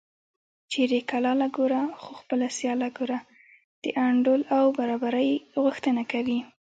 چېرې کلاله ګوره خو خپله سیاله ګوره د انډول او برابرۍ غوښتنه کوي